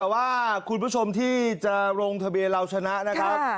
แต่ว่าคุณผู้ชมที่จะลงทะเบียนเราชนะนะครับ